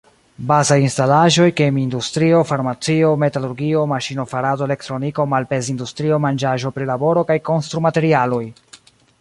Bazaj instalaĵoj, kemi-industrio, farmacio, metalurgio, maŝino-farado, elektroniko, malpez-industrio, manĝaĵo-prilaboro kaj konstrumaterialoj.